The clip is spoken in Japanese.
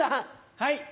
はい。